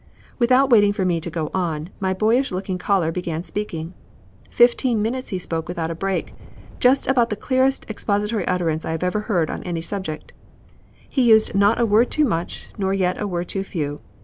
"Without waiting for me to go on, my boyish looking caller began speaking. For fifteen minutes he spoke without a break just about the clearest expository utterance I have ever heard on any subject. He used not a word too much, nor yet a word too few.